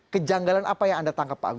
kejanggalan apa yang anda tangkap pak agus